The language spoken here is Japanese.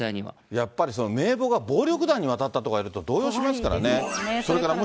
やっぱり名簿が暴力団に渡ったとか言われると、動揺しますか怖いですもんね。